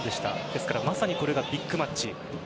ですからまさにこれがビッグマッチ。